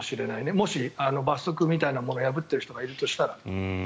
もし、罰則みたいのを破っている人がいたとしたら。